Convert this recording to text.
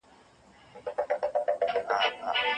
سردار اکبرخان د ستراتیژیک پلان مشر و.